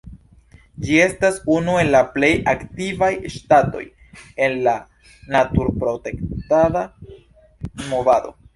Ĝi estas unu el la plej aktivaj ŝtatoj en la natur-protektada movado.